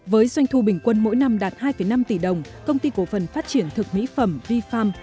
với doanh thu bình quân mỗi năm đạt hai năm tỷ đồng công ty cổ phần phát triển thực mỹ phẩm v farm